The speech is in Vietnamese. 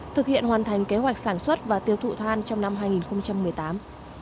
thực hiện hoàn thành kế hoạch sản xuất và tiêu thụ than trong năm hai nghìn một mươi tám